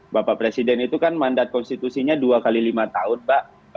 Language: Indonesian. bapak presiden itu kan mandat konstitusinya dua x lima tahun pak